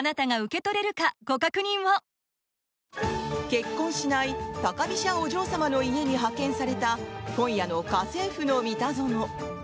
結婚しない高飛車お嬢様の家に派遣された今夜の「家政夫のミタゾノ」。